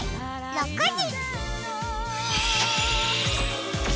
６時！